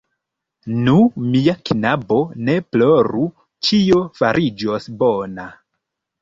Nu, mia knabo, ne ploru; ĉio fariĝos bona.